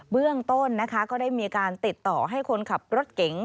เบื้องต้นนะคะก็ได้มีการติดต่อให้คนขับรถเก๋ง